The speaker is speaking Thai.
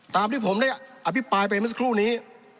ตามที่ผมได้อภิปรายไปเมื่อสักครู่นี้